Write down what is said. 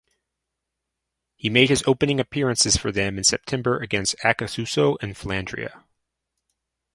He made his opening appearances for them in September against Acassuso and Flandria.